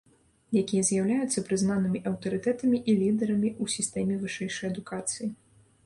Якія з'яўляюцца прызнанымі аўтарытэтамі і лідарамі ў сістэме вышэйшай адукацыі.